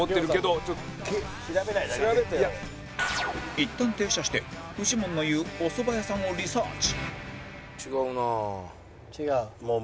いったん停車してフジモンの言うおそば屋さんをリサーチ